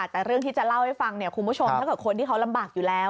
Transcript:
แต่เรื่องที่จะเล่าให้ฟังเนี่ยคุณผู้ชมถ้าเกิดคนที่เขาลำบากอยู่แล้ว